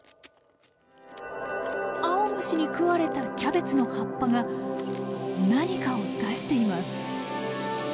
アオムシに食われたキャベツの葉っぱが何かを出しています。